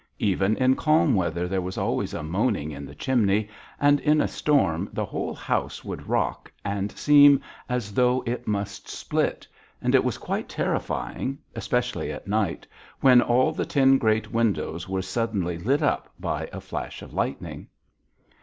Even in calm weather there was always a moaning in the chimney, and in a storm the whole house would rock and seem as though it must split, and it was quite terrifying, especially at night, when all the ten great windows were suddenly lit up by a flash of lightning.